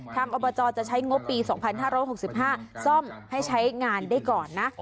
อบจจะใช้งบปี๒๕๖๕ซ่อมให้ใช้งานได้ก่อนนะ